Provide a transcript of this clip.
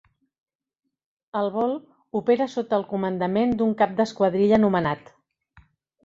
El vol opera sota el comandament d'un cap d'esquadrilla nomenat.